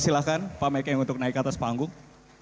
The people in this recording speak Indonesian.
silahkan pak mekeng untuk naik ke atas panggung